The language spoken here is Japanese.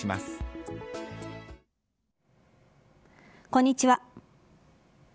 こんにちは。